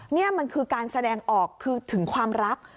นี่มันคือการแสดงออกคือถึงความรัก